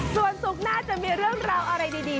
ส่วนศุกร์หน้าจะมีเรื่องราวอะไรดี